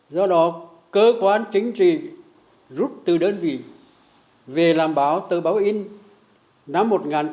do đó cơ quan chính trị rút từ đơn vị về làm báo tờ báo in năm một nghìn chín trăm tám mươi